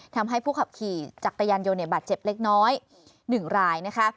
ทำให้ผู้ขับขี่จักรยานยนต์บาดเจ็บเล็กน้อย๑รายนะคะ